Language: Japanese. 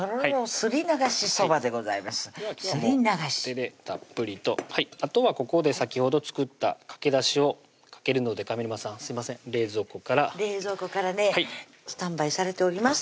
「すり流し」手でたっぷりとあとはここで先ほど作ったかけだしをかけるので上沼さんすいません冷蔵庫から冷蔵庫からねスタンバイされております